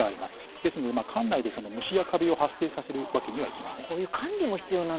ですので、館内で虫やカビを発生させるわけにはいきません。